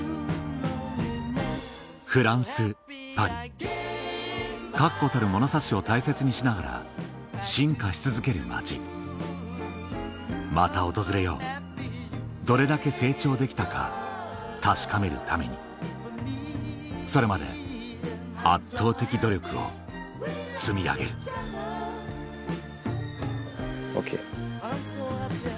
フランスパリ確固たる物差しを大切にしながら進化し続ける街また訪れようどれだけ成長できたか確かめるためにそれまで圧倒的努力を積み上げるＯＫ。